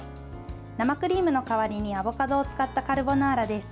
生クリームの代わりにアボカドを使ったカルボナーラです。